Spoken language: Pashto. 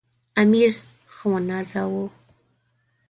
امیر ښه ونازاوه.